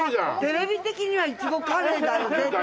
テレビ的には苺カレーだよ絶対！